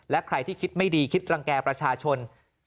และใครที่คิดไม่ดีคิดรังแก่ประชาชน